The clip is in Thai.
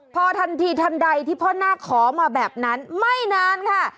พอทันทีทันใดที่พ่อนาคขอมาแบบนั้นไม่นานค่ะ